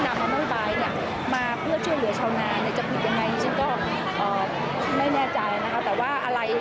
และทั้งหมดขณะนี้ก็อยู่ในขั้นตอนของเจ้าสมมุติ